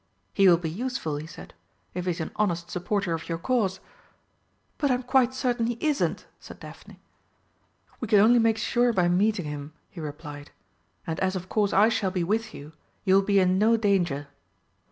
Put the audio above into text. "He will be useful," he said, "if he is an honest supporter of your cause." "But I'm quite certain he isn't!" said Daphne. "We can only make sure by meeting him," he replied, "and as of course I shall be with you, you will be in no danger."